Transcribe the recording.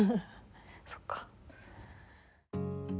そっか。